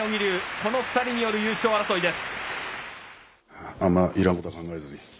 この２人による優勝争いです。